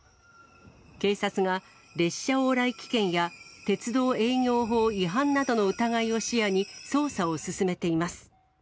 警察が列車往来危険や鉄道営業法違反などの疑いを視野に捜査を進めています。